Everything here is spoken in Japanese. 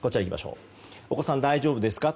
お子さん、大丈夫ですか？